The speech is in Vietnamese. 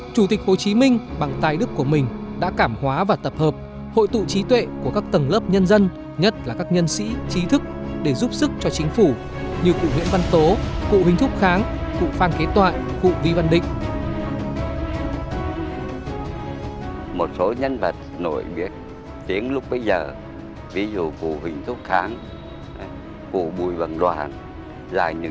chủ tịch hồ chí minh bằng tài đức của mình đã cảm hóa và tập hợp hội tụ trí tuệ của các tầng lớp nhân dân nhất là các nhân sĩ trí thức để giúp sức cho chính phủ như cụ nguyễn văn tố cụ huỳnh thúc kháng cụ phan kế toại cụ vi văn định